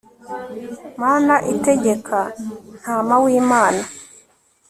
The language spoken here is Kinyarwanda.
mana itegeka, ntama w'imana